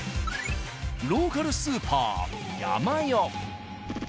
ローカルスーパー「ヤマヨ」。